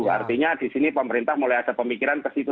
artinya di sini pemerintah mulai ada pemikiran ke situ